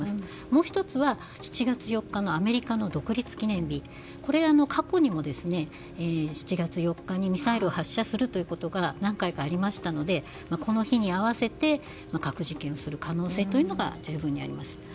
もう１つは７月４日のアメリカ独立記念日これは過去にも７月４日にミサイルを発射したことが何回かありましたのでこの日に合わせて核実験をする可能性というのが十分にあります。